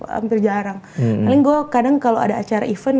hampir jarang paling gue kadang kalau ada acara event